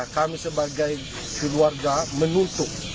kami sebagai keluarga menuntut